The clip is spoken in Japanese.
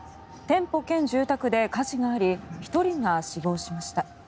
店舗兼住宅で火事があり１人が死亡しました。